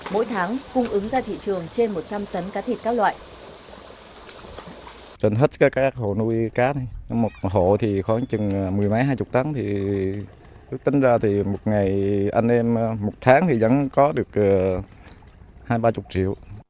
mỗi tháng cung ứng ra thị trường trên một trăm linh tấn cá thịt các loại